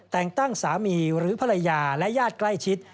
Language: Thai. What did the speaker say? แต่งตั้งสามีหรือภรรยาและญาติใกล้ชิด